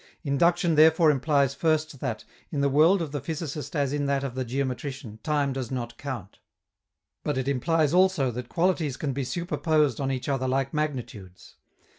Induction therefore implies first that, in the world of the physicist as in that of the geometrician, time does not count. But it implies also that qualities can be superposed on each other like magnitudes.